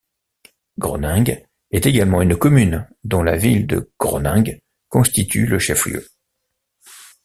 Groningue est également une commune, dont la ville de Groningue constitue le chef-lieu.